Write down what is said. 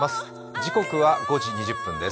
時刻は５時２０分です。